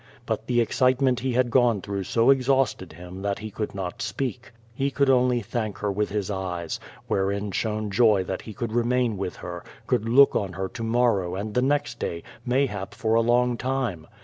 But the excitement he had gone through so exhausted him that he could not speak. He could only thank her with his eyes, wherein shone joy that he could remain with her, could look on her to morrow and the next day, mayhap for a long time.